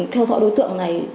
theo dõi đối tượng này